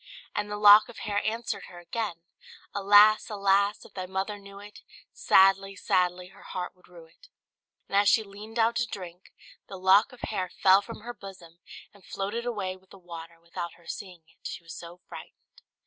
And the lock of hair answered her again "Alas! alas! if thy mother knew it, Sadly, sadly her heart would rue it." And as she leaned down to drink, the lock of hair fell from her bosom and floated away with the water, without her seeing it, she was so frightened.